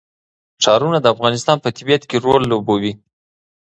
ښارونه د افغانستان په طبیعت کې رول لوبوي.